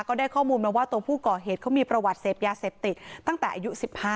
ก็ได้ข้อมูลมาว่าตัวผู้ก่อเหตุเขามีประวัติเสพยาเสพติดตั้งแต่อายุ๑๕